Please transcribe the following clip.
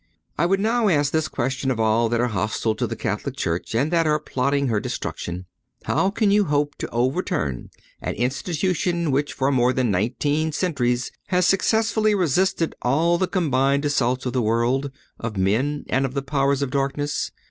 I would now ask this question of all that are hostile to the Catholic Church and that are plotting her destruction: How can you hope to overturn an institution which for more than nineteen centuries has successfully resisted all the combined assaults of the world, of men, and of the powers of darkness?